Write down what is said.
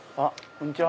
こんにちは。